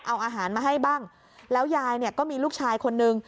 เอาอาหารมาให้บ้างแล้วยายเนี่ยก็มีลูกชายคนนึง